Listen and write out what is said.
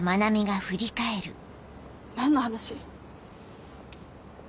何の話？